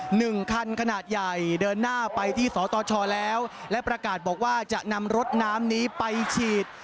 หนึ่งคันขนาดใหญ่เดินหน้าไปที่สตชแล้วและประกาศบอกว่าจะนำรถน้ำนี้ไปฉีด